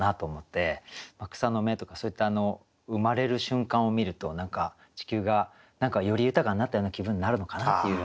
草の芽とかそういった生まれる瞬間を見ると地球がより豊かになったような気分になるのかなっていうような。